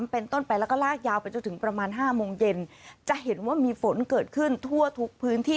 เป็นต้นไปแล้วก็ลากยาวไปจนถึงประมาณห้าโมงเย็นจะเห็นว่ามีฝนเกิดขึ้นทั่วทุกพื้นที่